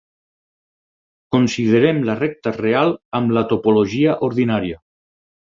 Considerem la recta real amb la topologia ordinària.